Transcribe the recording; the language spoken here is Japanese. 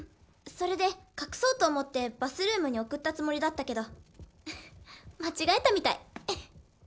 それで隠そうと思ってバスルームに送ったつもりだったけど間違えたみたいエヘッ。